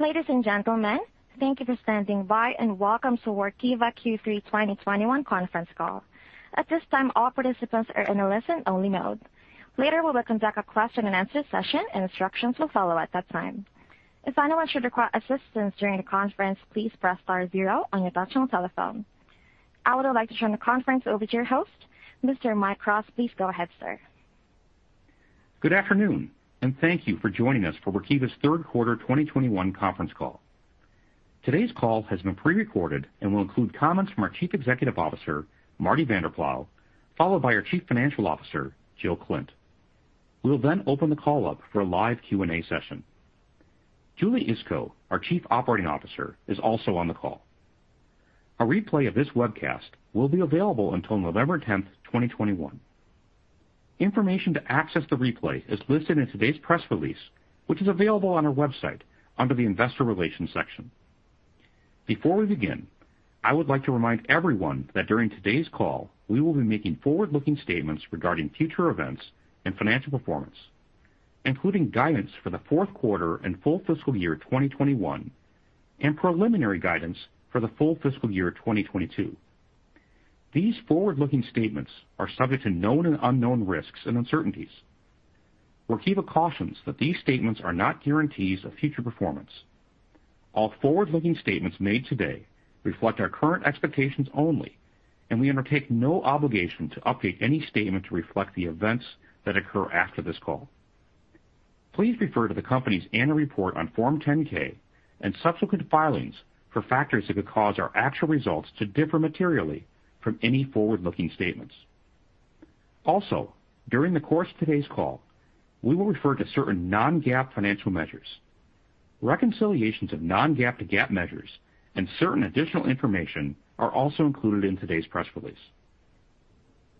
Ladies and gentlemen, thank you for standing by, and welcome to Workiva Q3 2021 conference call. At this time, all participants are in a listen-only mode. Later, we will conduct a question-and-answer session, and instructions will follow at that time. If anyone should require assistance during the conference, please press star zero on your touchtone telephone. I would like to turn the conference over to your host, Mr. Mike Rost. Please go ahead, sir. Good afternoon, and thank you for joining us for Workiva's third quarter 2021 conference call. Today's call has been pre-recorded and will include comments from our Chief Executive Officer, Marty Vanderploeg, followed by our Chief Financial Officer, Jill Klindt. We'll then open the call up for a live Q&A session. Julie Iskow, our Chief Operating Officer, is also on the call. A replay of this webcast will be available until November 10th, 2021. Information to access the replay is listed in today's press release, which is available on our website under the Investor Relations section. Before we begin, I would like to remind everyone that during today's call, we will be making forward-looking statements regarding future events and financial performance, including guidance for the fourth quarter and full fiscal year 2021 and preliminary guidance for the full fiscal year 2022. These forward-looking statements are subject to known and unknown risks and uncertainties. Workiva cautions that these statements are not guarantees of future performance. All forward-looking statements made today reflect our current expectations only, and we undertake no obligation to update any statement to reflect the events that occur after this call. Please refer to the company's Annual Report on Form 10-K and subsequent filings for factors that could cause our actual results to differ materially from any forward-looking statements. Also, during the course of today's call, we will refer to certain non-GAAP financial measures. Reconciliations of non-GAAP to GAAP measures and certain additional information are also included in today's press release.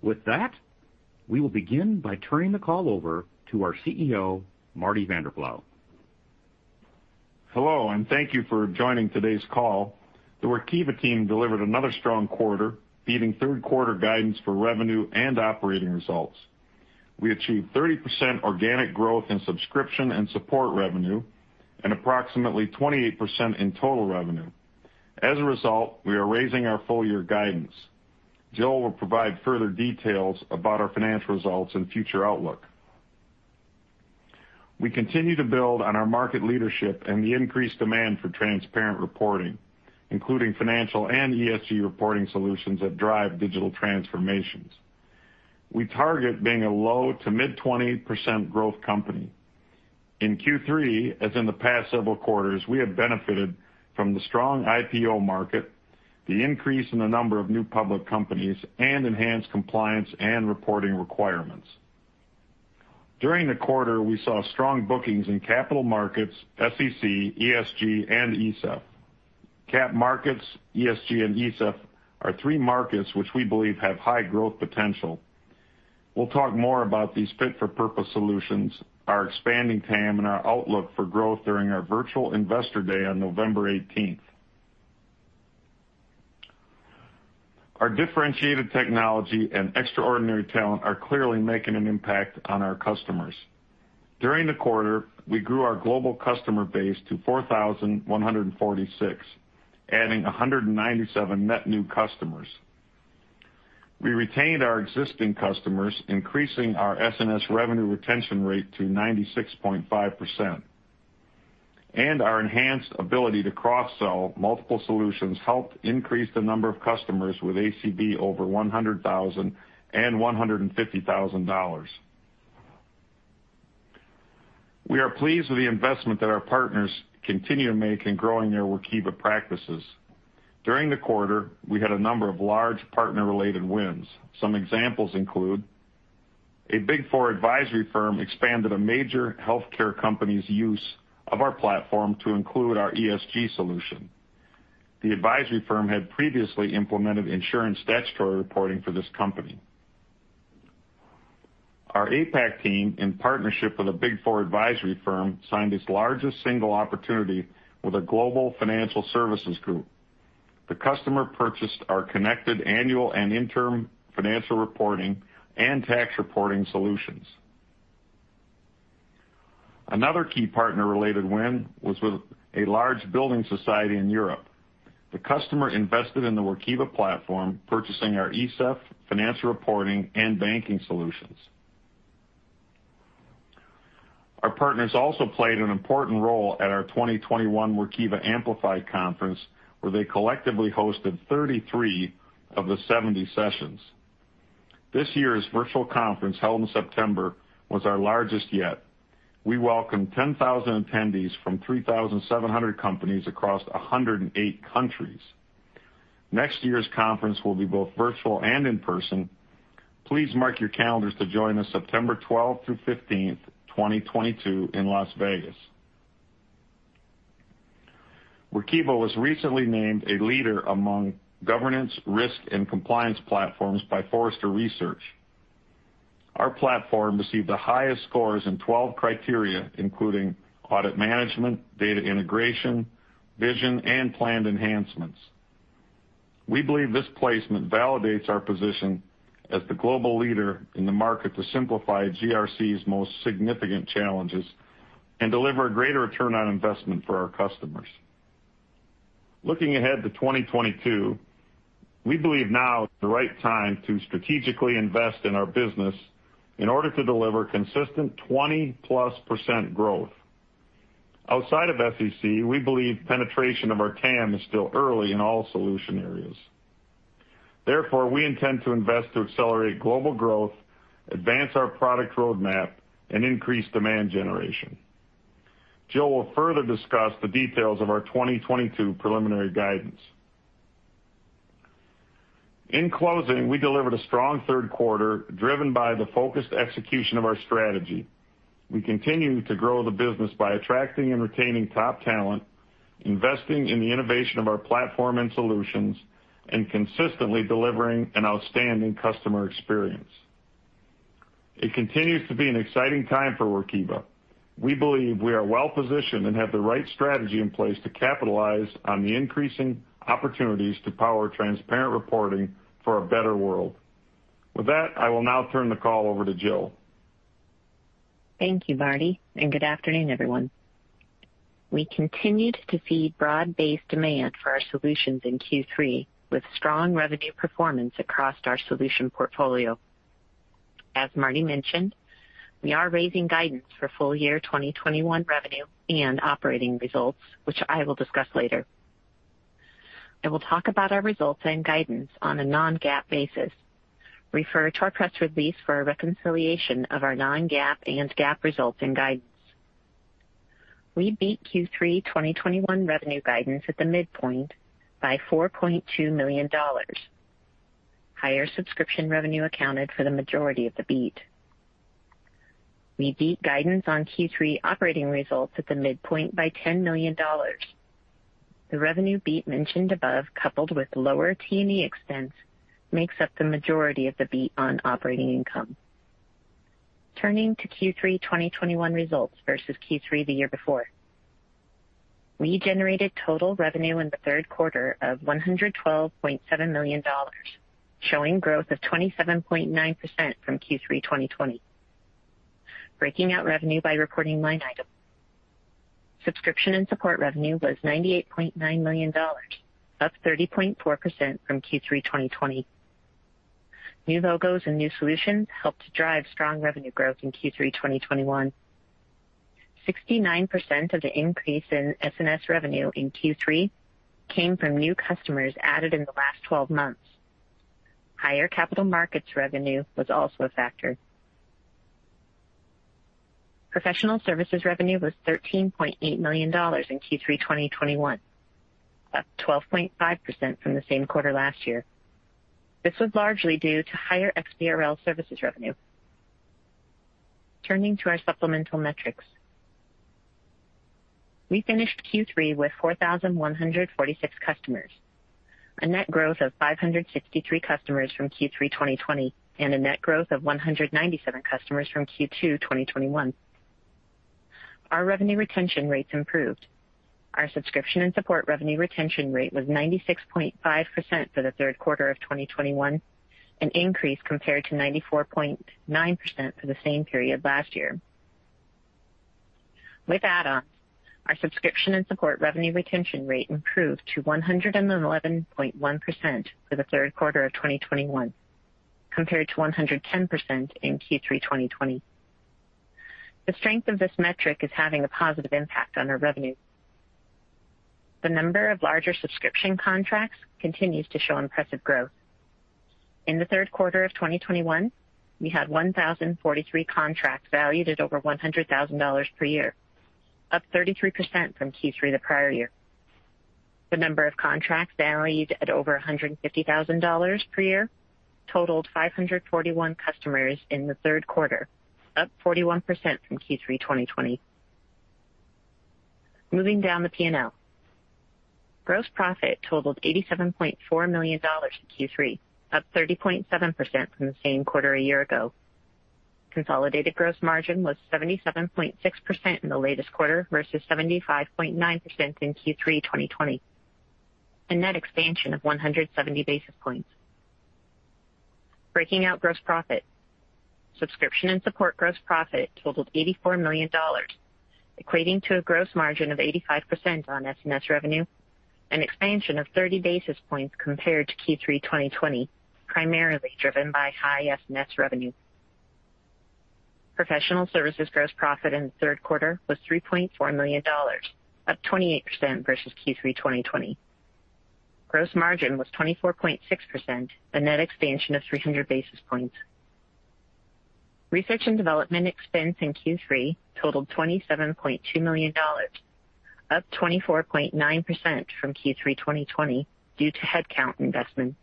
With that, we will begin by turning the call over to our CEO, Marty Vanderploeg. Hello, and thank you for joining today's call. The Workiva team delivered another strong quarter, beating third-quarter guidance for revenue and operating results. We achieved 30% organic growth in subscription and support revenue and approximately 28% in total revenue. As a result, we are raising our full-year guidance. Jill will provide further details about our financial results and future outlook. We continue to build on our market leadership and the increased demand for transparent reporting, including financial and ESG reporting solutions that drive digital transformations. We target being a low- to mid-20% growth company. In Q3, as in the past several quarters, we have benefited from the strong IPO market, the increase in the number of new public companies, and enhanced compliance and reporting requirements. During the quarter, we saw strong bookings in capital markets, SEC, ESG, and ESEF. Capital markets, ESG, and ESEF are three markets which we believe have high growth potential. We'll talk more about these fit-for-purpose solutions, our expanding TAM, and our outlook for growth during our virtual Investor Day on November 18. Our differentiated technology and extraordinary talent are clearly making an impact on our customers. During the quarter, we grew our global customer base to 4,146, adding 197 net new customers. We retained our existing customers, increasing our SNS revenue retention rate to 96.5%. Our enhanced ability to cross-sell multiple solutions helped increase the number of customers with ACV over $100,000 and $150,000. We are pleased with the investment that our partners continue to make in growing their Workiva practices. During the quarter, we had a number of large partner-related wins. Some examples include a Big Four advisory firm expanded a major healthcare company's use of our platform to include our ESG solution. The advisory firm had previously implemented insurance statutory reporting for this company. Our APAC team, in partnership with a Big Four advisory firm, signed its largest single opportunity with a global financial services group. The customer purchased our connected annual and interim financial reporting and tax reporting solutions. Another key partner-related win was with a large building society in Europe. The customer invested in the Workiva platform, purchasing our ESEF financial reporting and banking solutions. Our partners also played an important role at our 2021 Workiva Amplify conference, where they collectively hosted 33 of the 70 sessions. This year's virtual conference, held in September, was our largest yet. We welcomed 10,000 attendees from 3,700 companies across 108 countries. Next year's conference will be both virtual and in person. Please mark your calendars to join us September 12 through 15, 2022, in Las Vegas. Workiva was recently named a leader among governance, risk, and compliance platforms by Forrester Research. Our platform received the highest scores in 12 criteria, including audit management, data integration, vision, and planned enhancements. We believe this placement validates our position as the global leader in the market to simplify GRC's most significant challenges and deliver a greater return on investment for our customers. Looking ahead to 2022, we believe now is the right time to strategically invest in our business in order to deliver consistent 20%+ growth. Outside of SEC, we believe penetration of our TAM is still early in all solution areas. Therefore, we intend to invest to accelerate global growth, advance our product roadmap, and increase demand generation. Jill will further discuss the details of our 2022 preliminary guidance. In closing, we delivered a strong third quarter, driven by the focused execution of our strategy. We continue to grow the business by attracting and retaining top talent, investing in the innovation of our platform and solutions, and consistently delivering an outstanding customer experience. It continues to be an exciting time for Workiva. We believe we are well-positioned and have the right strategy in place to capitalize on the increasing opportunities to power transparent reporting for a better world. With that, I will now turn the call over to Jill. Thank you, Marty, and good afternoon, everyone. We continued to see broad-based demand for our solutions in Q3 with strong revenue performance across our solution portfolio. As Marty mentioned, we are raising guidance for full-year 2021 revenue and operating results, which I will discuss later. I will talk about our results and guidance on a non-GAAP basis. Refer to our press release for a reconciliation of our non-GAAP and GAAP results and guidance. We beat Q3 2021 revenue guidance at the midpoint by $4.2 million. Higher subscription revenue accounted for the majority of the beat. We beat guidance on Q3 operating results at the midpoint by $10 million. The revenue beat mentioned above, coupled with lower T&E expense, makes up the majority of the beat on operating income. Turning to Q3 2021 results versus Q3 the year before, we generated total revenue in the third quarter of $112.7 million, showing growth of 27.9% from Q3 2020. Breaking out revenue by reporting line item, subscription, and support revenue was $98.9 million, up 30.4% from Q3 2020. New logos and new solutions helped to drive strong revenue growth in Q3 2021. 69% of the increase in SNS revenue in Q3 came from new customers added in the last 12 months. Higher capital markets revenue was also a factor. Professional services revenue was $13.8 million in Q3 2021, up 12.5% from the same quarter last year. This was largely due to higher XBRL services revenue. Turning to our supplemental metrics. We finished Q3 with 4,146 customers, a net growth of 563 customers from Q3 2020, and a net growth of 197 customers from Q2 2021. Our revenue retention rates improved. Our subscription and support revenue retention rate was 96.5% for the third quarter of 2021, an increase compared to 94.9% for the same period last year. With add-ons, our subscription and support revenue retention rate improved to 111.1% for the third quarter of 2021, compared to 110% in Q3 2020. The strength of this metric is having a positive impact on our revenue. The number of larger subscription contracts continues to show impressive growth. In the third quarter of 2021, we had 1,043 contracts valued at over $100,000 per year, up 33% from Q3 the prior year. The number of contracts valued at over $150,000 per year totaled 541 customers in the third quarter, up 41% from Q3 2020. Moving down the P&L. Gross profit totaled $87.4 million in Q3, up 30.7% from the same quarter a year ago. Consolidated gross margin was 77.6% in the latest quarter versus 75.9% in Q3 2020, a net expansion of 170 basis points. Breaking out gross profit, subscription and support gross profit totaled $84 million, equating to a gross margin of 85% on SNS revenue, an expansion of 30 basis points compared to Q3 2020, primarily driven by high SNS revenue. Professional services gross profit in the third quarter was $3.4 million, up 28% versus Q3 2020. Gross margin was 24.6%, a net expansion of 300 basis points. Research and development expense in Q3 totaled $27.2 million, up 24.9% from Q3 2020 due to headcount investments.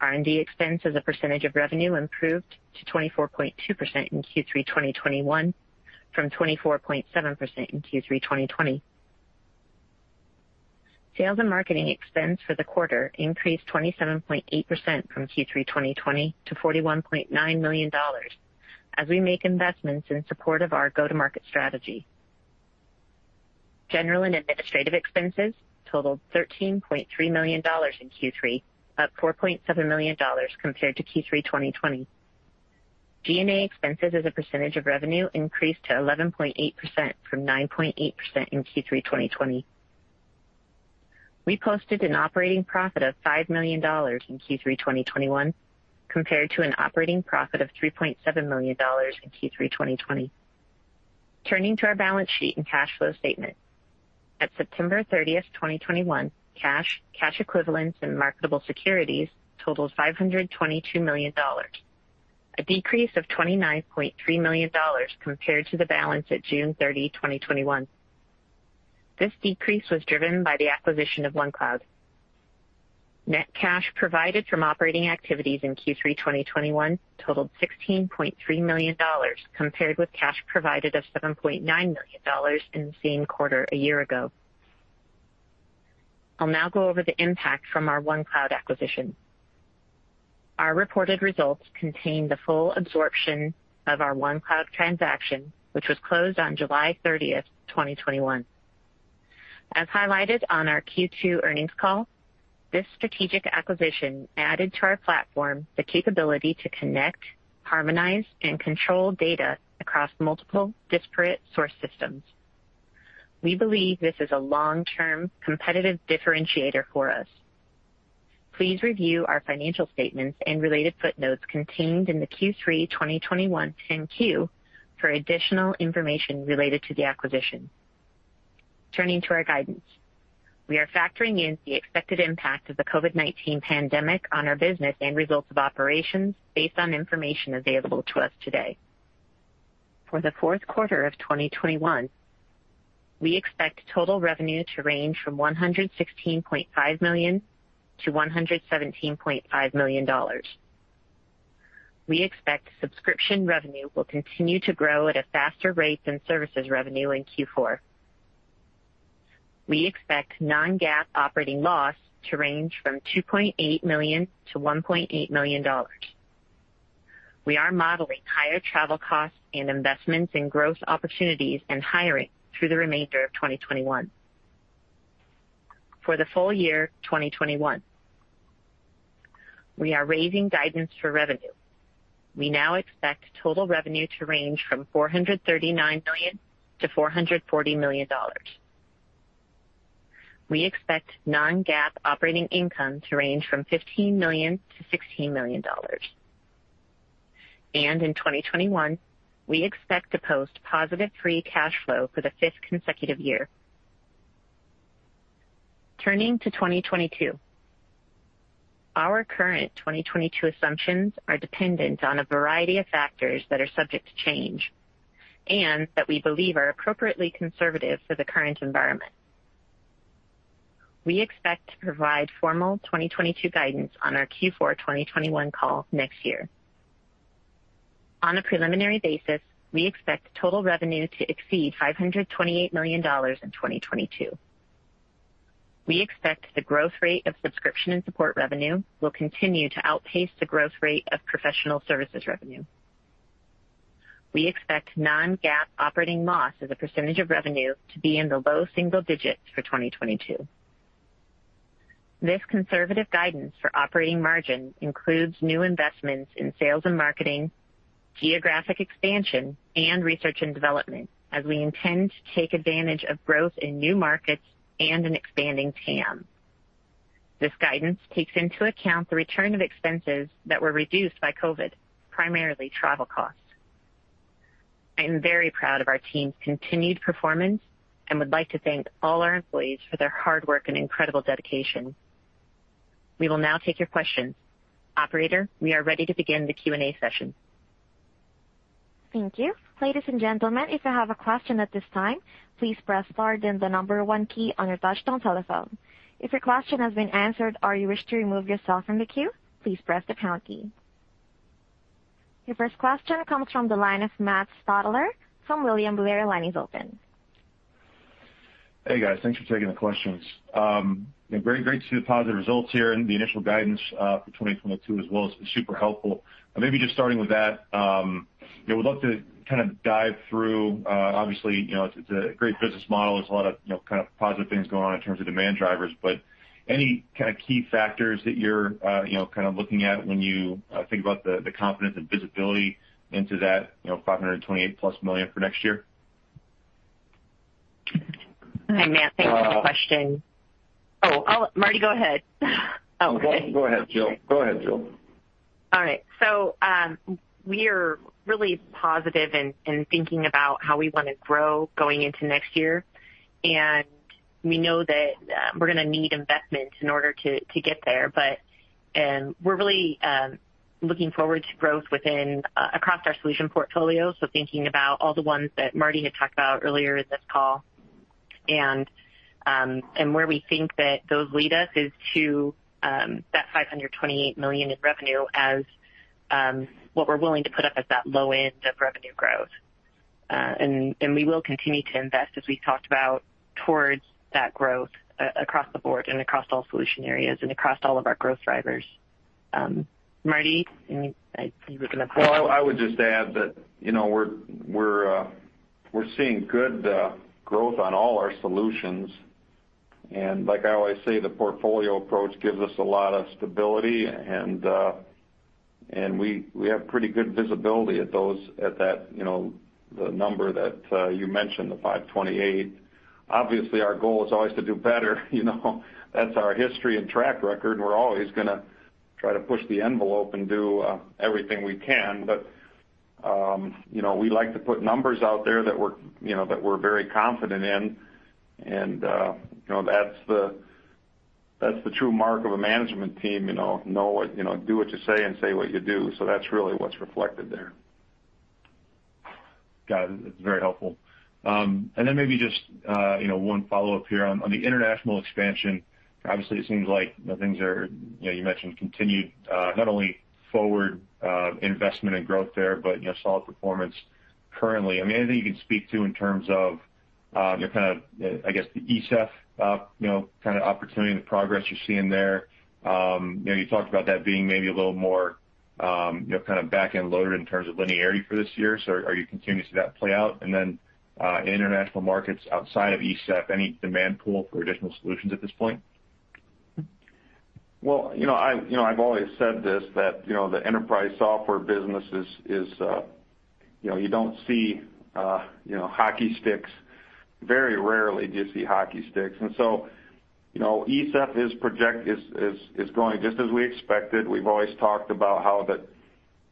R&D expense as a percentage of revenue improved to 24.2% in Q3 2021 from 24.7% in Q3 2020. Sales and marketing expense for the quarter increased 27.8% from Q3 2020 to $41.9 million as we make investments in support of our go-to-market strategy. General and administrative expenses totaled $13.3 million in Q3, up $4.7 million compared to Q3 2020. G&A expenses as a percentage of revenue increased to 11.8% from 9.8% in Q3 2020. We posted an operating profit of $5 million in Q3 2021, compared to an operating profit of $3.7 million in Q3 2020. Turning to our balance sheet and cash flow statement. At September 30th, 2021, cash equivalents and marketable securities totaled $522 million, a decrease of $29.3 million compared to the balance at June 30, 2021. This decrease was driven by the acquisition of OneCloud. Net cash provided from operating activities in Q3 2021 totaled $16.3 million, compared with cash provided of $7.9 million in the same quarter a year ago. I'll now go over the impact from our OneCloud acquisition. Our reported results contain the full absorption of our OneCloud transaction, which was closed on July 30th, 2021. As highlighted on our Q2 earnings call, this strategic acquisition added to our platform the capability to connect, harmonize, and control data across multiple disparate source systems. We believe this is a long-term competitive differentiator for us. Please review our financial statements and related footnotes contained in the Q3 2021 10-Q for additional information related to the acquisition. Turning to our guidance. We are factoring in the expected impact of the COVID-19 pandemic on our business and results of operations based on information available to us today. For the fourth quarter of 2021, we expect total revenue to range from $116.5 million to $117.5 million. We expect subscription revenue will continue to grow at a faster rate than services revenue in Q4. We expect non-GAAP operating loss to range from $2.8 million to $1.8 million. We are modeling higher travel costs and investments in growth opportunities and hiring through the remainder of 2021. For the full year 2021, we are raising guidance for revenue. We now expect total revenue to range from $439 million to $440 million. We expect non-GAAP operating income to range from $15 million to $16 million. In 2021, we expect to post positive free cash flow for the fifth consecutive year. Turning to 2022. Our current 2022 assumptions are dependent on a variety of factors that are subject to change and that we believe are appropriately conservative for the current environment. We expect to provide formal 2022 guidance on our Q4 2021 call next year. On a preliminary basis, we expect total revenue to exceed $528 million in 2022. We expect the growth rate of subscription and support revenue will continue to outpace the growth rate of professional services revenue. We expect non-GAAP operating loss as a percentage of revenue to be in the low single digits for 2022. This conservative guidance for operating margin includes new investments in sales and marketing, geographic expansion, and research and development, as we intend to take advantage of growth in new markets and an expanding TAM. This guidance takes into account the return of expenses that were reduced by COVID, primarily travel costs. I am very proud of our team's continued performance and would like to thank all our employees for their hard work and incredible dedication. We will now take your questions. Operator, we are ready to begin the Q&A session. Thank you. Ladies and gentlemen, if you have a question at this time, please press star, then the number one key on your touchtone telephone. If your question has been answered or you wish to remove yourself from the queue, please press the pound key. Your first question comes from the line of Matt Stotler from William Blair. Line is open. Hey, guys. Thanks for taking the questions. Great to see the positive results here and the initial guidance for 2022 as well. It's been super helpful. Maybe just starting with that, would love to kind of dive through. Obviously, you know, it's a great business model. There's a lot of kind of positive things going on in terms of demand drivers, but any kind of key factors that you're, you know, kind of looking at when you think about the confidence and visibility into that, you know, $528+ million for next year? Hi, Matt. Thanks for the question. Oh, Marty, go ahead. Okay. Go ahead, Jill. All right. We are really positive in thinking about how we want to grow going into next year, and we know that we're gonna need investment in order to get there. We're really looking forward to growth across our solution portfolio. Thinking about all the ones that Marty had talked about earlier in this call, and where we think that those lead us, is to that $528 million in revenue as what we're willing to put up at that low end of revenue growth. We will continue to invest, as we talked about, towards that growth across the board and across all solution areas and across all of our growth drivers. Marty, and I think you were going to comment. I would just add that, you know, we're seeing good growth on all our solutions. Like I always say, the portfolio approach gives us a lot of stability, and we have pretty good visibility at that, you know, the number that you mentioned, the $528. Obviously, our goal is always to do better, you know. That's our history and track record. We're always gonna try to push the envelope and do everything we can. You know, we like to put numbers out there that we're very confident in. You know, that's the true mark of a management team, you know. Know what you know, do what you say, and say what you do. That's really what's reflected there. Got it. It's very helpful. Maybe just, you know, one follow-up here. On the international expansion, obviously, it seems like things are, you know, you mentioned continued, not only forward, investment and growth there, but, you know, solid performance currently. I mean, anything you can speak to in terms of, you know, kind of, I guess, the ESEF, you know, kind of opportunity and the progress you're seeing there. You know, you talked about that being maybe a little more, you know, kind of back-end loaded in terms of linearity for this year. Are you continuing to see that play out? International markets outside of ESEF, any demand pool for additional solutions at this point? Well, you know, I've always said this, that, you know, the enterprise software business is, you know, you don't see hockey sticks. Very rarely do you see hockey sticks. You know, ESEF is going just as we expected. We've always talked about how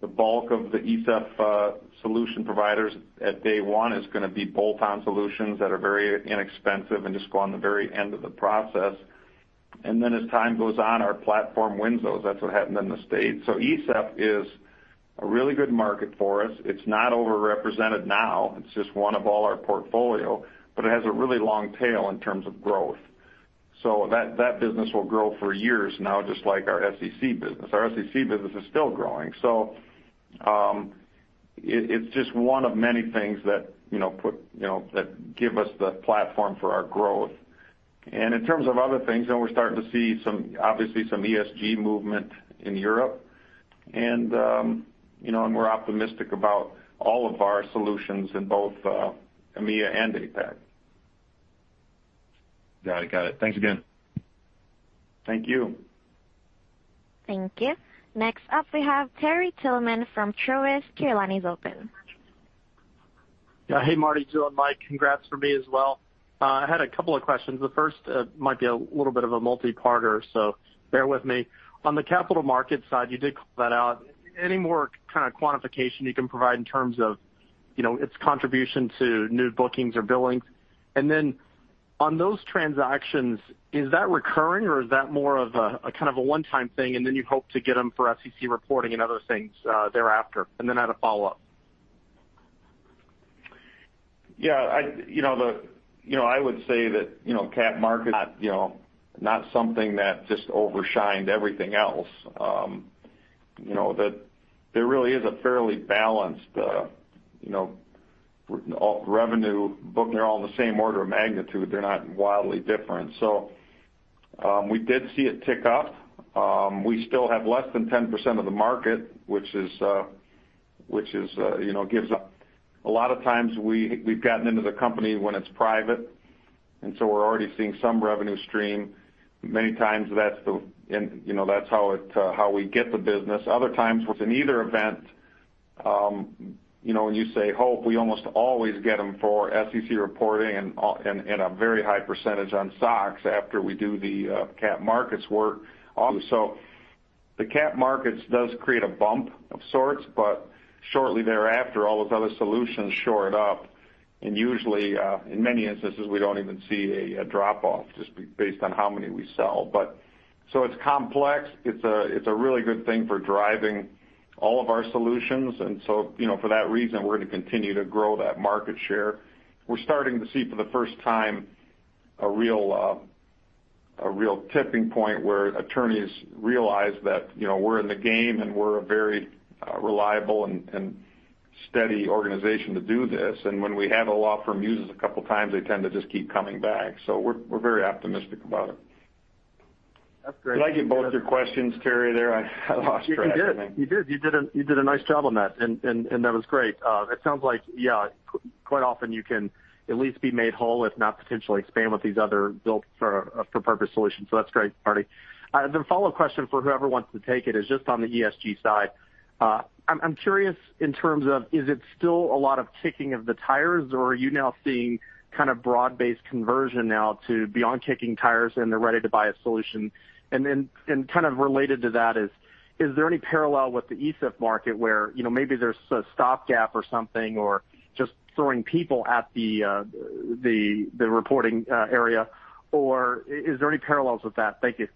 the bulk of the ESEF solution providers at day one is gonna be bolt-on solutions that are very inexpensive and just go on the very end of the process. Then, as time goes on, our platform wins those. That's what happened in the States. ESEF is a really good market for us. It's not overrepresented now. It's just one of all our portfolio, but it has a really long tail in terms of growth. That business will grow for years now, just like our SEC business. Our SEC business is still growing. It's just one of many things that, you know, give us the platform for our growth. In terms of other things, you know, we're starting to see some ESG movement in Europe. We're optimistic about all of our solutions in both EMEA and APAC. Got it. Thanks again. Thank you. Thank you. Next up, we have Terry Tillman from Truist. Your line is open. Yeah. Hey, Marty, Julie, and Mike. Congrats from me as well. I had a couple of questions. The first might be a little bit of a multi-parter, so bear with me. On the capital markets side, you did call that out. Any more kind of quantification you can provide in terms of, you know, its contribution to new bookings or billings? And then on those transactions, is that recurring or is that more of a kind of one-time thing, and then you hope to get them for SEC reporting and other things thereafter? I had a follow-up. You know, I would say that, you know, capital markets, you know, not something that just overshadowed everything else. You know, that there really is a fairly balanced, you know, all revenue booking. They're all in the same order of magnitude. They're not wildly different. We did see it tick up. We still have less than 10% of the market, which is, you know, a lot of times we've gotten into the company when it's private, and so we're already seeing some revenue stream. Many times, that's, you know, that's how we get the business. Other times with an IPO event, you know, when you say ESG, we almost always get them for SEC reporting, and at a very high percentage on SOX after we do the capital markets work also. The capital markets work does create a bump of sorts, but shortly thereafter, all those other solutions shore it up. Usually, in many instances, we don't even see a drop-off just based on how many we sell. It's complex. It's a really good thing for driving all of our solutions. You know, for that reason, we're gonna continue to grow that market share. We're starting to see for the first time a real tipping point where attorneys realize that, you know, we're in the game and we're a very reliable and steady organization to do this. When we have a law firm use us a couple times, they tend to just keep coming back. We're very optimistic about it. That's great. Did I get both your questions, Terry, there? I lost track. You did a nice job on that, and that was great. It sounds like, yeah, quite often you can at least be made whole, if not potentially expand with these other built-for-purpose solutions. So that's great, Marty. The follow-up question for whoever wants to take it is just on the ESG side. I'm curious in terms of, is it still a lot of kicking of the tires, or are you now seeing kind of broad-based conversion now to beyond kicking tires, and they're ready to buy a solution? And then, kind of related to that, is there any parallel with the ESEF market where, you know, maybe there's a stopgap or something, or just throwing people at the reporting area? Or is there any parallels with that? Thank you.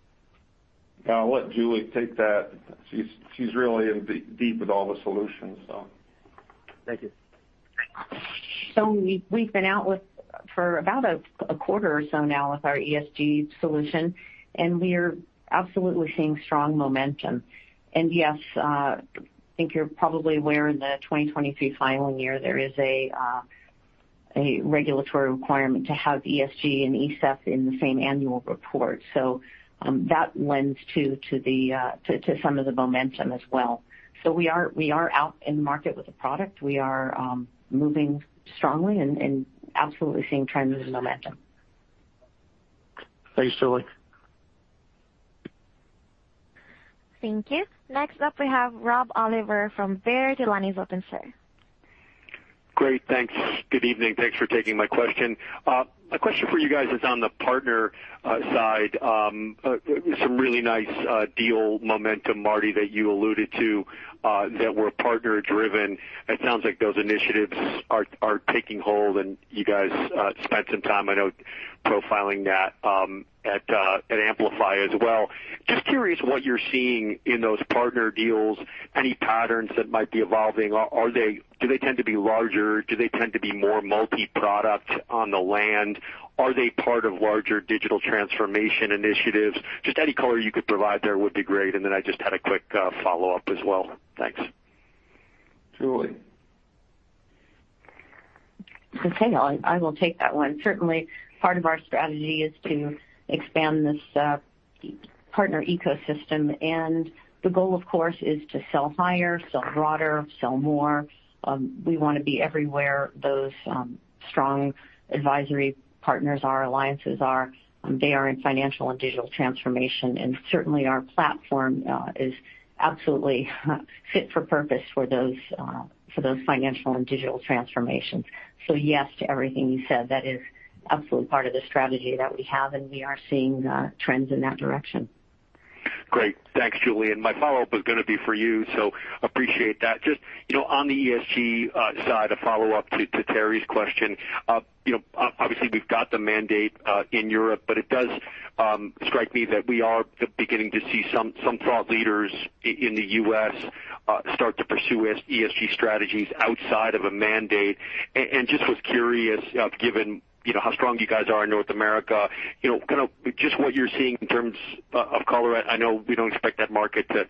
I'll let Julie take that. She's really in deep with all the solutions, so. Thank you. We've been out with it for about a quarter or so now with our ESG solution, and we are absolutely seeing strong momentum. Yes, I think you're probably aware in the 2023 filing year, there is a regulatory requirement to have ESG and ESEF in the same annual report. That lends to some of the momentum as well. We are out in the market with a product. We are moving strongly and absolutely seeing trends and momentum. Thanks, Julie. Thank you. Next up we have Rob Oliver from Baird. Your line is open, sir. Great, thanks. Good evening. Thanks for taking my question. My question for you guys is on the partner side. Some really nice deal momentum, Marty, that you alluded to, that were partner-driven. It sounds like those initiatives are taking hold, and you guys spent some time, I know, profiling that at Amplify as well. Just curious what you're seeing in those partner deals, any patterns that might be evolving? Do they tend to be larger? Do they tend to be more multi-product on the land? Are they part of larger digital transformation initiatives? Just any color you could provide there would be great. I just had a quick follow-up as well. Thanks. Julie. Okay. I will take that one. Certainly, part of our strategy is to expand this partner ecosystem, and the goal, of course, is to sell higher, sell broader, sell more. We wanna be everywhere those strong advisory partners or alliances are. They are in financial and digital transformation, and certainly, our platform is absolutely fit for purpose for those financial and digital transformations. Yes to everything you said, that is absolutely part of the strategy that we have, and we are seeing trends in that direction. Great. Thanks, Julie, and my follow-up is gonna be for you, so appreciate that. Just, you know, on the ESG side, a follow-up to Terry's question. Obviously, we've got the mandate in Europe, but it does strike me that we are beginning to see some thought leaders in the U.S. start to pursue ESG strategies outside of a mandate. And just was curious, given, you know, how strong you guys are in North America, you know, kind of just what you're seeing in terms of color. I know we don't expect that market to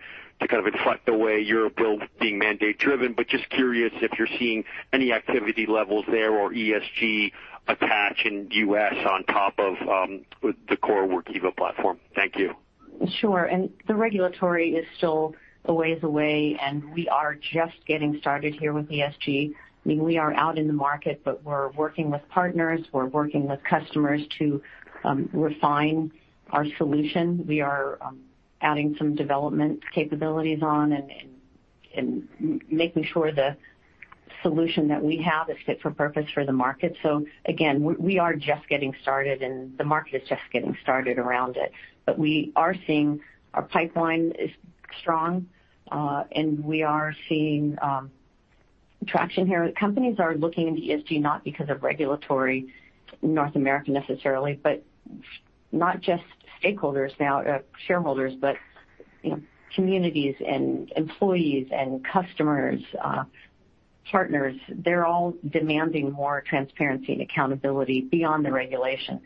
kind of reflect the way Europe will be, being mandate-driven, but just curious if you're seeing any activity levels there or ESG attach in U.S. on top of the core Workiva platform. Thank you. Sure. The regulatory is still a ways away, and we are just getting started here with ESG. I mean, we are out in the market, but we're working with partners, we're working with customers to refine our solution. We are adding some development capabilities on and making sure the solution that we have is fit for purpose for the market. Again, we are just getting started, and the market is just getting started around it. We are seeing our pipeline is strong, and we are seeing traction here. Companies are looking into ESG not because of regulatory North America necessarily, but not just stakeholders now, shareholders, but, you know, communities and employees and customers, partners. They're all demanding more transparency and accountability beyond the regulation.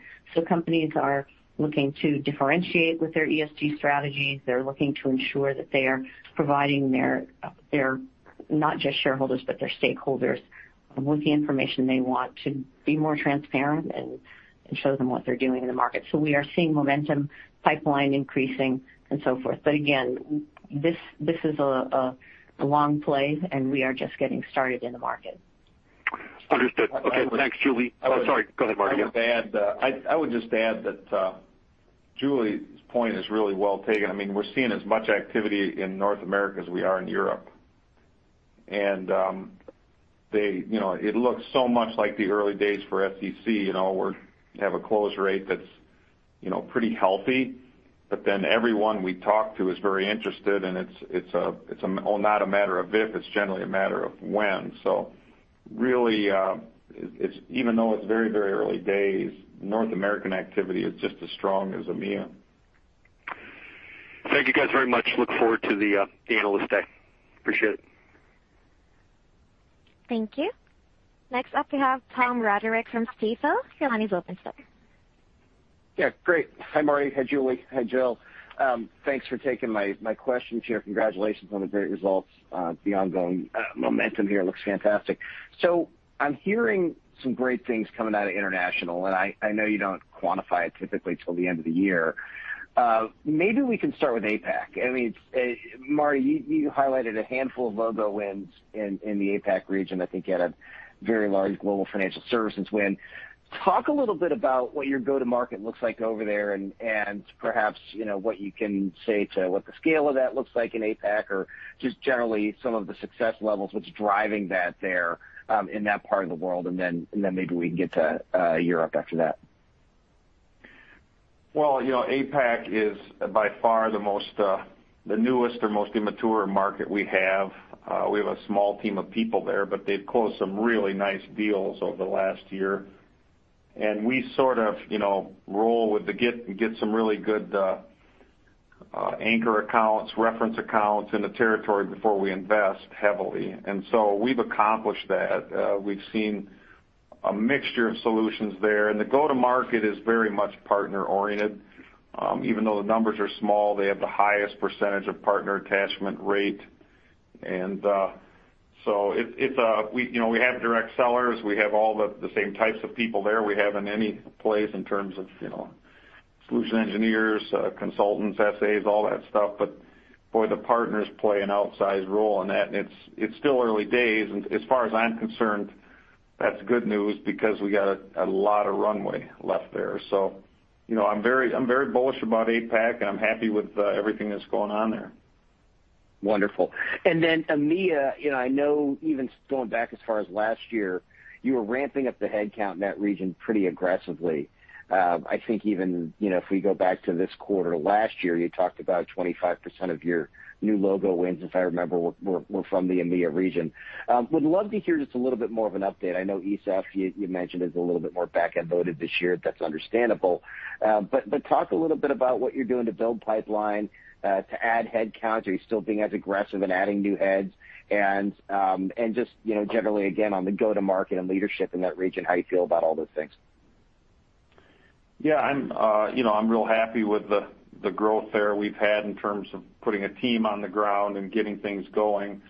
Companies are looking to differentiate with their ESG strategies. They're looking to ensure that they are providing their not just shareholders, but their stakeholders with the information they want to be more transparent and show them what they're doing in the market. We are seeing momentum, pipeline increasing, and so forth. Again, this is a long play, and we are just getting started in the market. Understood. Okay, thanks, Julie. Oh, sorry. Go ahead, Marty. Yeah. I would just add that Julie's point is really well taken. I mean, we're seeing as much activity in North America as we are in Europe. You know, it looks so much like the early days for SEC. You know, we have a close rate that's pretty healthy. Then everyone we talk to is very interested, and it's well, not a matter of if, it's generally a matter of when. Really, it's even though it's very, very early days, North American activity is just as strong as EMEA. Thank you guys very much. Look forward to the Investor Day. Appreciate it. Thank you. Next up, we have Tom Roderick from Stifel. Your line is open, sir. Yeah, great. Hi, Marty. Hi, Julie. Hi, Jill. Thanks for taking my questions here. Congratulations on the great results. The ongoing momentum here looks fantastic. I'm hearing some great things coming out of international, and I know you don't quantify it typically till the end of the year. Maybe we can start with APAC. Marty, you highlighted a handful of logo wins in the APAC region. I think you had a very large global financial services win. Talk a little bit about what your go-to-market looks like over there, and perhaps, you know, what you can say to what the scale of that looks like in APAC or just generally some of the success levels, what's driving that there in that part of the world, and then maybe we can get to Europe after that. Well, you know, APAC is by far the most the newest or most immature market we have. We have a small team of people there, but they've closed some really nice deals over the last year. We sort of, you know, roll with the, get some really good anchor accounts, reference accounts in the territory before we invest heavily. We've accomplished that. We've seen a mixture of solutions there. The go-to-market is very much partner-oriented. Even though the numbers are small, they have the highest percentage of partner attachment rate. It's we, you know, we have direct sellers. We have all the same types of people there we have in any place in terms of, you know, solution engineers, consultants, SAs, all that stuff. Boy, the partners play an outsized role in that, and it's still early days. As far as I'm concerned, that's good news because we got a lot of runway left there. You know, I'm very bullish about APAC, and I'm happy with everything that's going on there. Wonderful. EMEA, you know, I know, even going back as far as last year, you were ramping up the headcount in that region pretty aggressively. I think even, you know, if we go back to this quarter last year, you talked about 25% of your new logo wins, if I remember, were from the EMEA region. Would love to hear just a little bit more of an update. I know ESEF, you mentioned, is a little bit more back-end loaded this year. That's understandable. Talk a little bit about what you're doing to build pipeline, to add headcount. Are you still being as aggressive in adding new heads? Just, you know, generally again, on the go-to-market and leadership in that region, how you feel about all those things. Yeah, I'm real happy with the growth there we've had in terms of putting a team on the ground and getting things going.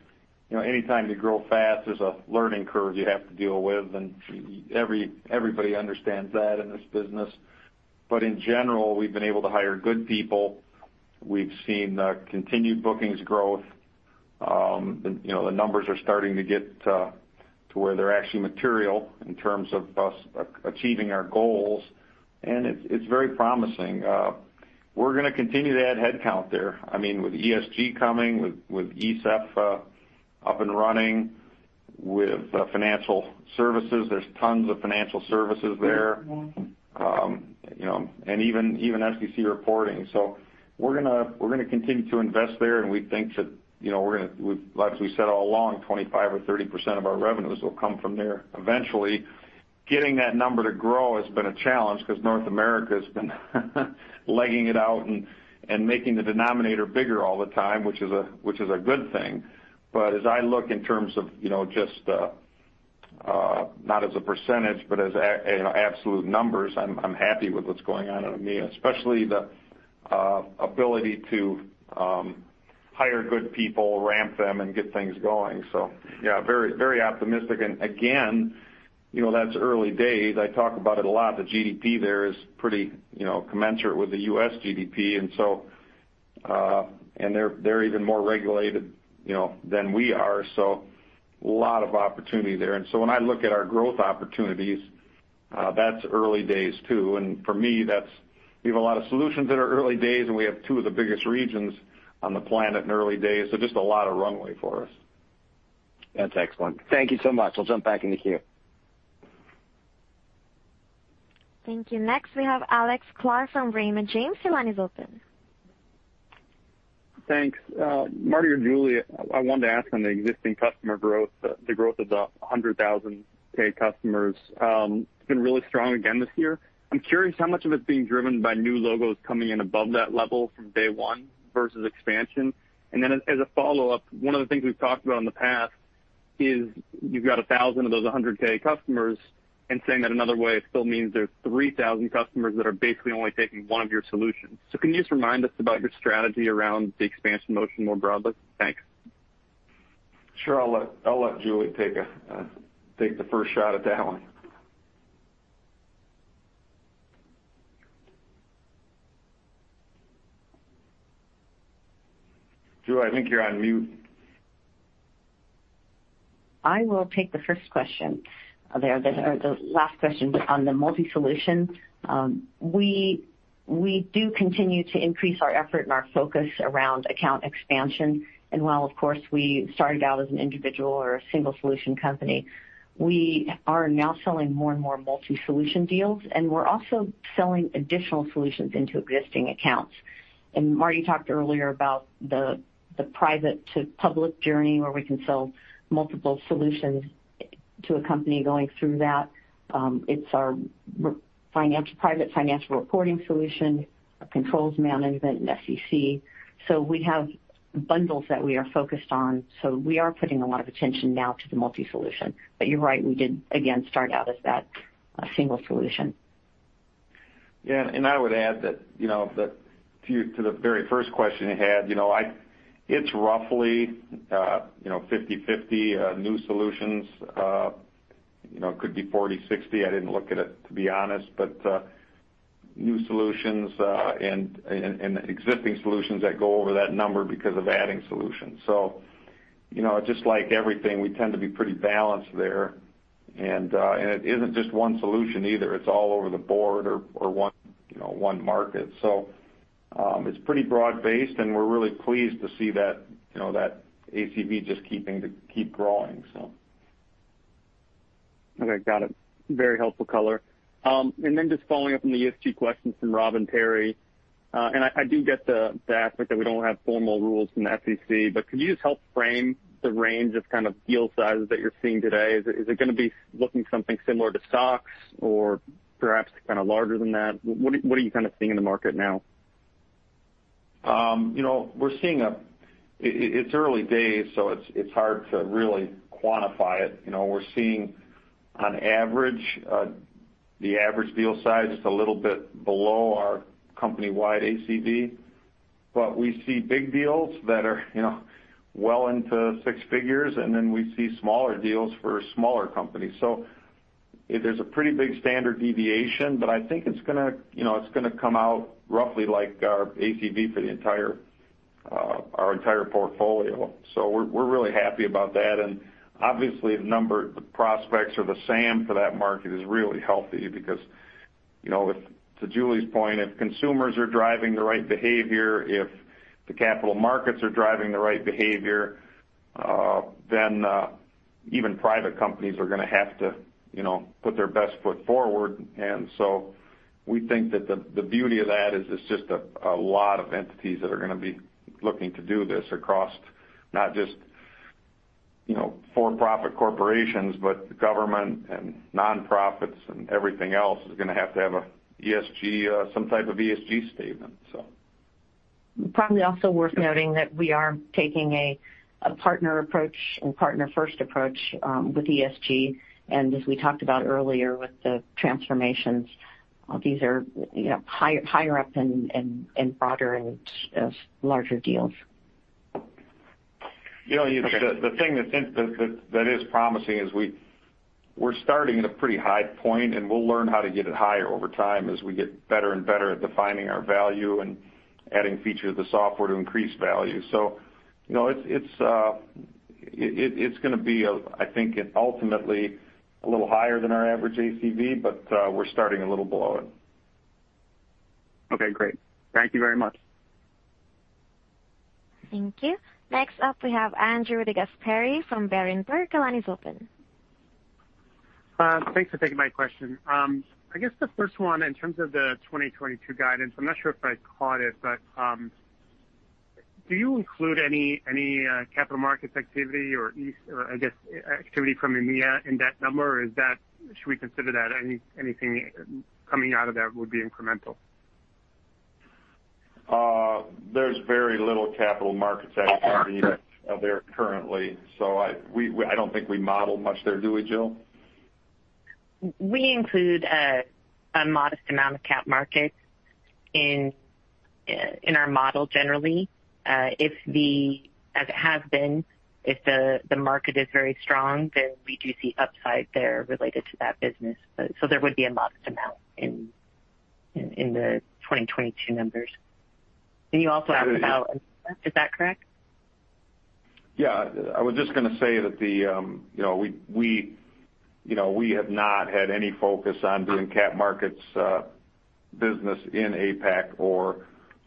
You know, anytime you grow fast, there's a learning curve you have to deal with, and everybody understands that in this business. In general, we've been able to hire good people. We've seen continued bookings growth. You know, the numbers are starting to get to where they're actually material in terms of us achieving our goals, and it's very promising. We're gonna continue to add headcount there. I mean, with ESG coming, with ESEF up and running, with financial services. There's tons of financial services there. You know, even SEC reporting. We're gonna continue to invest there, and we think that, you know, like we said all along, 25 or 30% of our revenues will come from there eventually. Getting that number to grow has been a challenge because North America has been legging it out and making the denominator bigger all the time, which is a good thing. As I look in terms of, you know, just not as a percentage but as an absolute numbers, I'm happy with what's going on in EMEA, especially the ability to hire good people, ramp them, and get things going. Yeah, very optimistic. Again, you know, that's early days. I talk about it a lot. The GDP there is pretty, you know, commensurate with the U.S. GDP. They're even more regulated, you know, than we are, so a lot of opportunity there. When I look at our growth opportunities, that's early days, too. For me, we have a lot of solutions that are early days, and we have two of the biggest regions on the planet in early days. Just a lot of runway for us. That's excellent. Thank you so much. I'll jump back in the queue. Thank you. Next, we have Alex Sklar from Raymond James. Your line is open. Thanks. Marty or Julie, I wanted to ask on the existing customer growth, the growth of the 100K customers, it's been really strong again this year. I'm curious how much of it's being driven by new logos coming in above that level from day one versus expansion. A follow-up, one of the things we've talked about in the past is you've got 1,000 of those 100K customers, and saying that another way still means there's 3,000 customers that are basically only taking one of your solutions. Can you just remind us about your strategy around the expansion motion more broadly? Thanks. Sure. I'll let Julie take the first shot at that one. Julie, I think you're on mute. I will take the first question there. The last question on the multi-solution. We do continue to increase our effort and our focus around account expansion. While, of course, we started out as an individual or a single solution company, we are now selling more and more multi-solution deals, and we're also selling additional solutions into existing accounts. Marty talked earlier about the private to public journey, where we can sell multiple solutions to a company going through that. It's our private financial reporting solution, our controls management, and SEC. We have bundles that we are focused on. We are putting a lot of attention now to the multi-solution. You're right, we did again start out as that single solution. Yeah. I would add that, you know, to the very first question you had, you know, it's roughly 50/50 new solutions. You know, it could be 40/60. I didn't look at it, to be honest. New solutions and existing solutions that go over that number because of adding solutions. You know, just like everything, we tend to be pretty balanced there. And it isn't just one solution either. It's all over the board or one market. It's pretty broad-based, and we're really pleased to see that, you know, that ACV just keep growing. Okay. Got it. Very helpful color. Just following up on the ESG questions from Rob and Terry. I do get the aspect that we don't have formal rules from the SEC, but could you just help frame the range of kind of deal sizes that you're seeing today? Is it gonna be looking something similar to SOX or perhaps kind of larger than that? What are you kind of seeing in the market now? It's early days, so it's hard to really quantify it. You know, we're seeing on average, the average deal size is a little bit below our company-wide ACV, but we see big deals that are, you know, well into six figures, and then we see smaller deals for smaller companies. So there's a pretty big standard deviation, but I think it's gonna come out roughly like our ACV for the entire our entire portfolio. So we're really happy about that. Obviously, the number of prospects or the SAM for that market is really healthy because, you know, to Julie's point, if consumers are driving the right behavior, if the capital markets are driving the right behavior, then even private companies are gonna have to, you know, put their best foot forward. We think that the beauty of that is it's just a lot of entities that are gonna be looking to do this across not just, you know, for-profit corporations, but government and nonprofits and everything else is gonna have to have an ESG, some type of ESG statement. Probably also worth noting that we are taking a partner approach and partner-first approach with ESG. As we talked about earlier with the transformations, these are, you know, higher up and broader and larger deals. You know, the thing that is promising is we're starting at a pretty high point, and we'll learn how to get it higher over time as we get better and better at defining our value and adding features of software to increase value. You know, it's gonna be, I think, ultimately a little higher than our average ACV, but we're starting a little below it. Okay, great. Thank you very much. Thank you. Next up, we have Andrew DeGasperi from Berenberg. Your line is open. Thanks for taking my question. I guess the first one in terms of the 2022 guidance, I'm not sure if I caught it, but do you include any capital markets activity, or I guess activity from EMEA, in that number? Or is that? Should we consider that anything coming out of that would be incremental? There's very little capital markets activity there currently, so we don't think we model much there. Do we, Jill? We include a modest amount of cap markets in our model generally. As it has been, if the market is very strong, then we do see upside there related to that business. There would be a modest amount in the 2022 numbers. You also asked about ESEF, is that correct? Yeah. I was just gonna say that, you know, we have not had any focus on doing cap markets business in APAC or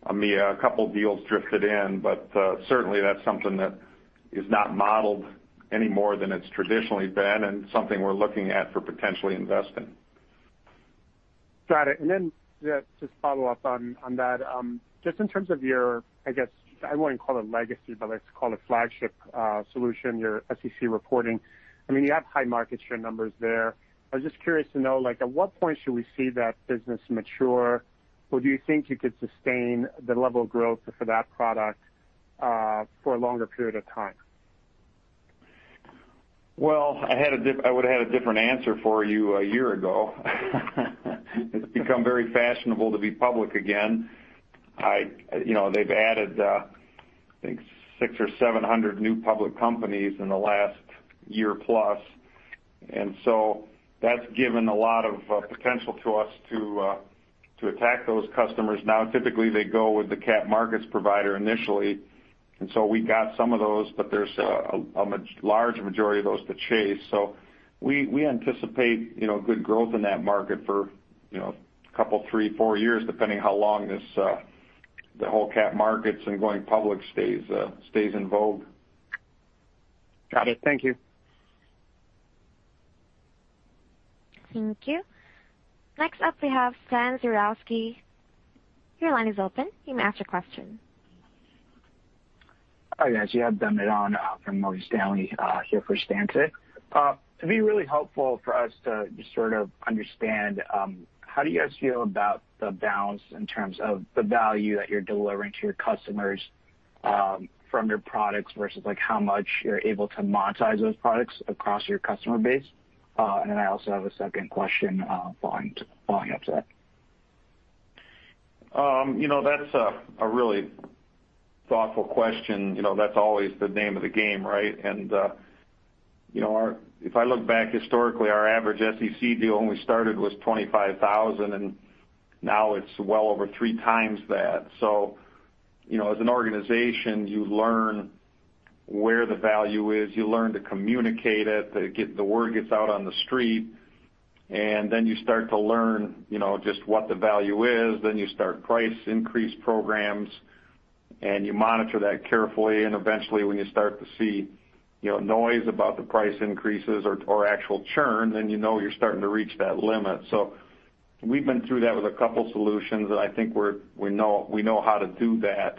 EMEA. A couple of deals drifted in, but certainly that's something that is not modeled any more than it's traditionally been, and something we're looking at for potentially investing. Got it. Just to follow up on that, just in terms of your, I guess, I wouldn't call it legacy, but let's call it flagship solution, your SEC reporting. I mean, you have high market share numbers there. I was just curious to know, like, at what point should we see that business mature, or do you think you could sustain the level of growth for that product, for a longer period of time? Well, I would've had a different answer for you a year ago. It's become very fashionable to be public again. You know, they've added, I think, 600 or 700 new public companies in the last year plus. That's given a lot of potential to us to attack those customers. Now, typically, they go with the capital markets provider initially, and so we got some of those, but there's a large majority of those to chase. We anticipate, you know, good growth in that market for, you know, a couple, three, four years, depending how long this, the whole capital markets and going public stays in vogue. Got it. Thank you. Thank you. Next up, we have Stan Zlotsky. Your line is open. You may ask your question. Hi, guys. You have Damron from Morgan Stanley here for Stan today. It'd be really helpful for us to just sort of understand how do you guys feel about the balance in terms of the value that you're delivering to your customers from your products versus, like, how much you're able to monetize those products across your customer base? I also have a second question following up to that. You know, that's a really thoughtful question. You know, that's always the name of the game, right? If I look back historically, our average SEC deal when we started was $25,000, and now it's well over 3x that. You know, as an organization, you learn where the value is, you learn to communicate it, to get the word out on the street, and then you start to learn, you know, just what the value is. You start price increase programs, and you monitor that carefully. Eventually, when you start to see, you know, noise about the price increases or actual churn, then you know you're starting to reach that limit. We've been through that with a couple solutions, and I think we know how to do that.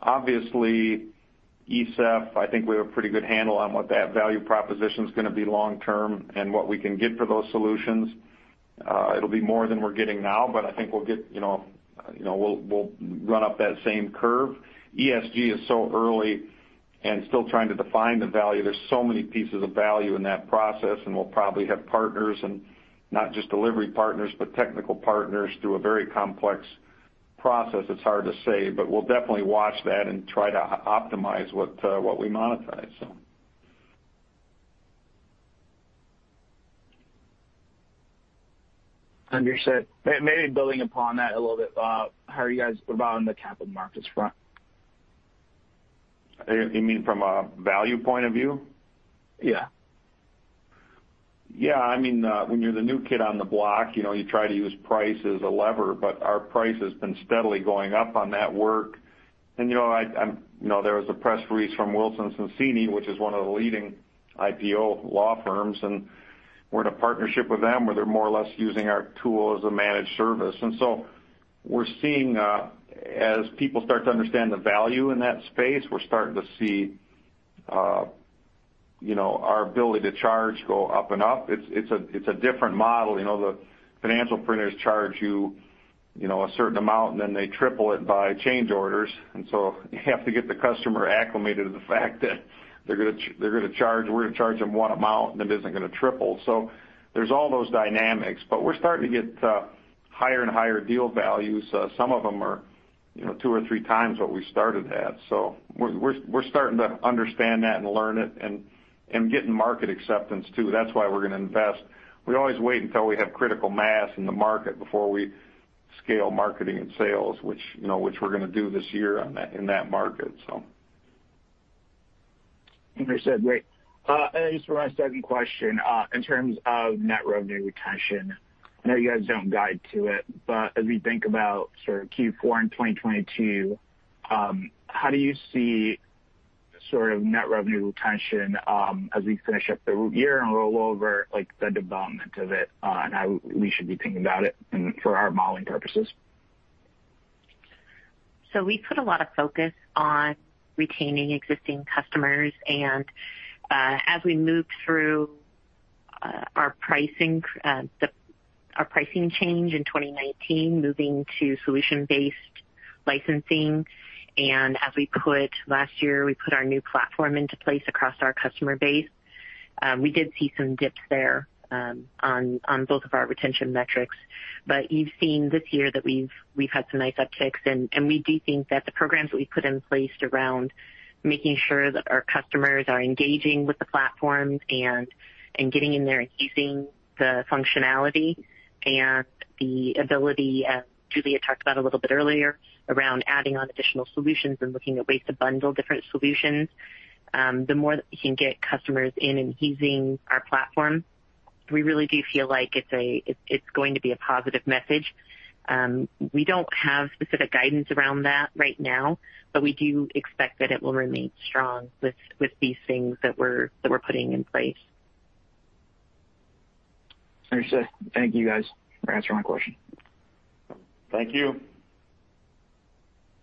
Obviously, ESEF, I think we have a pretty good handle on what that value proposition is gonna be long term and what we can get for those solutions. It'll be more than we're getting now, but I think we'll get, you know, we'll run up that same curve. ESG is so early and still trying to define the value. There's so many pieces of value in that process, and we'll probably have partners and not just delivery partners, but technical partners through a very complex process. It's hard to say, but we'll definitely watch that and try to optimize what we monetize, so. Understood. Maybe building upon that a little bit, how are you guys evolving the capital markets front? You mean from a value point of view? Yeah. Yeah. I mean, when you're the new kid on the block, you know, you try to use price as a lever, but our price has been steadily going up on that work. You know, there was a press release from Wilson Sonsini, which is one of the leading IPO law firms, and we're in a partnership with them where they're more or less using our tool as a managed service. We're seeing, as people start to understand the value in that space, we're starting to see, you know, our ability to charge go up and up. It's a different model. You know, the financial printers charge you know, a certain amount, and then they triple it by change orders. You have to get the customer acclimated to the fact that they're gonna charge, we're gonna charge them one amount, and it isn't gonna triple. There's all those dynamics. We're starting to get higher and higher deal values. Some of them are, you know, two or 3x what we started at. We're starting to understand that and learn it and getting market acceptance, too. That's why we're gonna invest. We always wait until we have critical mass in the market before we scale marketing and sales, which, you know, which we're gonna do this year in that market, so. Understood. Great. Just for my second question, in terms of net revenue retention, I know you guys don't guide to it, but as we think about sort of Q4 in 2022, how do you see sort of net revenue retention, as we finish up the year and roll over, like the development of it, and how we should be thinking about it in for our modeling purposes? We put a lot of focus on retaining existing customers. As we moved through our pricing change in 2019, moving to solution-based licensing, and last year, we put our new platform into place across our customer base, we did see some dips there on both of our retention metrics. You've seen this year that we've had some nice upticks, and we do think that the programs we've put in place around making sure that our customers are engaging with the platforms and getting in there and using the functionality and the ability, as Julie talked about a little bit earlier, around adding on additional solutions and looking at ways to bundle different solutions. The more that we can get customers in and using our platform, we really do feel like it's going to be a positive message. We don't have specific guidance around that right now, but we do expect that it will remain strong with these things that we're putting in place. Understood. Thank you, guys, for answering my question. Thank you.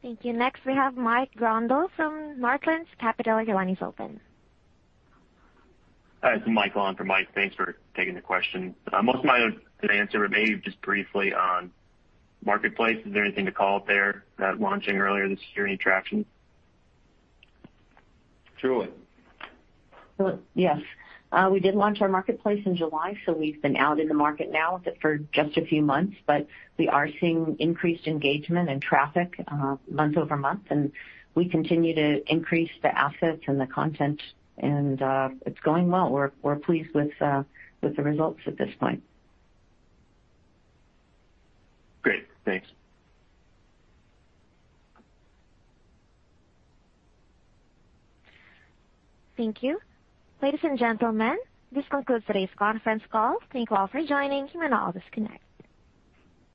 Thank you. Next, we have Mike Grondahl from Northland Capital. Your line is open. Hi, this is Mike on for Mike. Thanks for taking the question. Most of my answer were made just briefly on Marketplace. Is there anything to call out there that launching earlier this year, any traction? Julie? Yes. We did launch our Marketplace in July, so we've been out in the market now for just a few months, but we are seeing increased engagement and traffic month-over-month, and we continue to increase the assets and the content, and it's going well. We're pleased with the results at this point. Great. Thanks. Thank you. Ladies and gentlemen, this concludes today's conference call. Thank you all for joining. You may now disconnect.